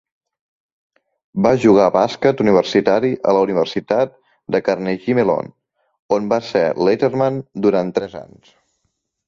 Va jugar a bàsquet universitari a la Universitat de Carnegie Mellon, on va ser "letterman" durant tres anys.